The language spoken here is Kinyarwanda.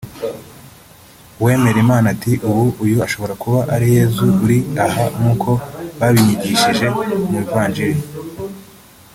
uwemera Imana ati ubu uyu ashobora kuba ari Yezu uri aha nk’uko babinyigishije mu ivanjiri